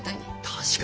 確かに。